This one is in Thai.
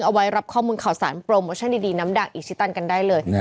เอาไว้รับข้อมูลข่าวสารโปรโมชั่นดีน้ำดังอิชิตันกันได้เลย